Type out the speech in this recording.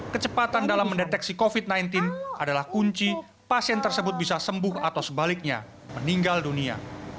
kecepatan dalam mendeteksi covid sembilan belas adalah kunci pasien tersebut bisa sembuh atau sebaliknya meninggal dunia